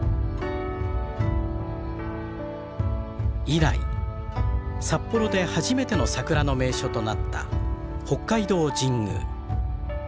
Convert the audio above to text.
以来札幌で初めての桜の名所となった北海道神宮。